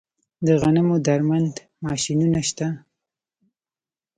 د غنمو درمند ماشینونه شته